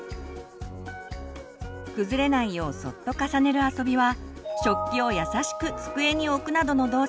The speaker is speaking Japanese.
崩れないようそっと重ねる遊びは食器をやさしく机に置くなどの動作につながります。